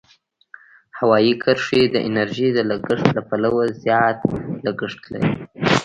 هوایي کرښې د انرژۍ د لګښت له پلوه زیات لګښت لري.